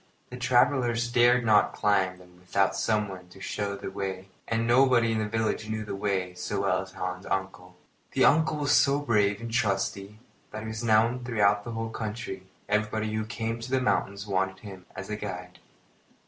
The travellers dared not climb them without someone to show the way, and nobody in the village knew the way so well as Hans's uncle. The uncle was so brave and trusty that he was known throughout the whole country, and everybody who came to the mountains wanted him as guide.